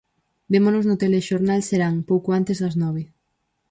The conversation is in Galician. Vémonos no Telexornal Serán, pouco antes das nove.